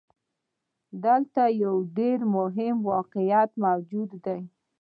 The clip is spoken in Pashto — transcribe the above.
دلته يو ډېر مهم واقعيت موجود دی.